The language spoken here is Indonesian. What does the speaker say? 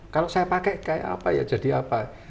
kalau saya pakai kayak apa ya jadi apa